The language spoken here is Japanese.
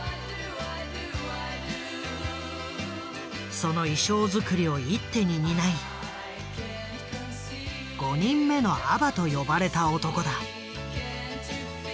その衣装作りを一手に担い「５人目のＡＢＢＡ」と呼ばれた男だ。